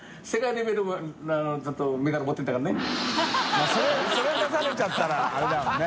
まぁそれ出されちゃったらあれだもんね。